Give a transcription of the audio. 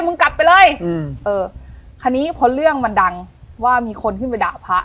มึงกลับไปเลยอืมเออคราวนี้พอเรื่องมันดังว่ามีคนขึ้นไปด่าพระ